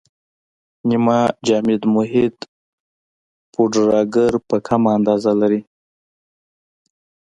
نیمه جامد محیط پوډراګر په کمه اندازه لري.